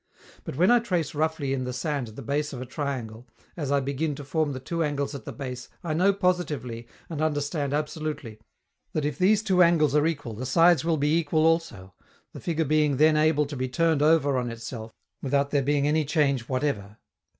But when I trace roughly in the sand the base of a triangle, as I begin to form the two angles at the base, I know positively, and understand absolutely, that if these two angles are equal the sides will be equal also, the figure being then able to be turned over on itself without there being any change whatever.